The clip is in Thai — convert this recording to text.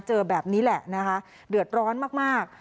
เจอแบบนี้แหละนะคะเดือดร้อนมาก